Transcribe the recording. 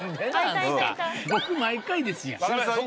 僕毎回ですやん。